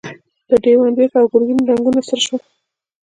د دېوان بېګ او ګرګين رنګونه سره شول.